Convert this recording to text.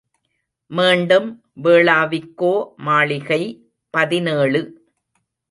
மீண்டும் வேளாவிக்கோ மாளிகை பதினேழு.